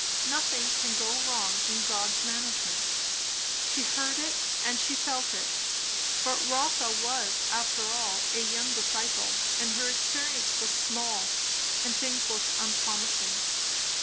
Nothing can go wrong in God's management." She heard it and she felt it; but Rotha was after all a young disciple and her experience was small, and things looked unpromising.